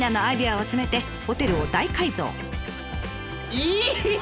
いい！